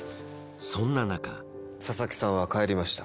そんな中佐々木さんは帰りました